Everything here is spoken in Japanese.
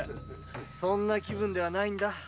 そんな気分ではないんだ。